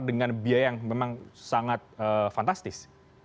dengan biaya yang memang sangat fantastis